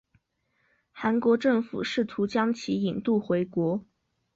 韩国政府试图将其引渡回国。